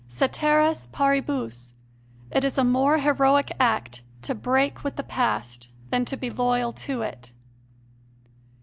Ceteris paribus, it is a more heroic act to break with the past than to be loyal to it.